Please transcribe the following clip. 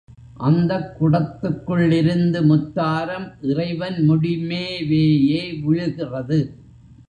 அந்தக் குடத்துக்குள்ளிருந்து முத்தாரம் இறைவன் முடிமேவேயே விழுகிறது.